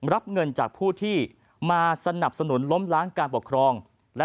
รับเงินจากผู้ที่มาสนับสนุนล้มล้างการปกครองและ